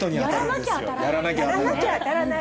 やらなきゃ当たらない。